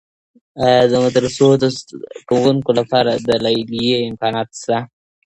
آیا د مدرسو د زده کوونکو لپاره د لیلیې امکانات سته؟